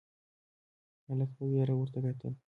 هلک په وېره ورته کتل: